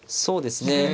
そうですね。